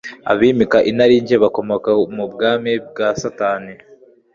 Abimika inarinjye bakomoka mu bwami bwa Satani.